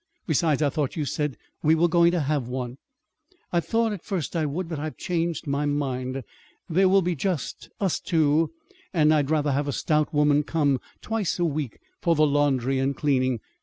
Besides, I thought you said you were going to have one." "I thought at first I would, but I've changed my mind. There will be just us two, and I'd rather have a stout woman come twice a week for the laundry and cleaning.